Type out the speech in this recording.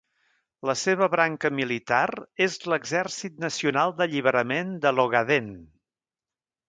La seva branca militar és l'Exèrcit Nacional d'Alliberament de l'Ogaden.